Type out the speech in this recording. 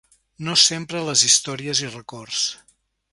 No sempre a les històries i records!